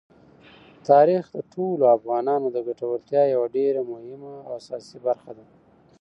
تاریخ د ټولو افغانانو د ګټورتیا یوه ډېره مهمه او اساسي برخه ده.